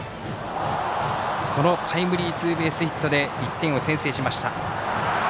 タイムリーツーベースヒットで１点を先制しました。